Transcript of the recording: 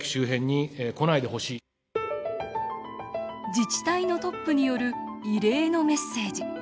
自治体のトップによる異例のメッセージ。